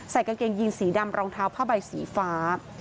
กางเกงยีนสีดำรองเท้าผ้าใบสีฟ้า